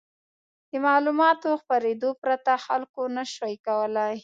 د معلوماتو خپرېدو پرته خلکو نه شوای کولای.